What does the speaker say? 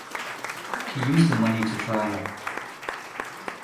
He used the money to travel.